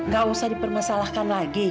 gak usah dipermasalahkan lagi